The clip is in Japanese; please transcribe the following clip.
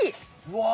うわ。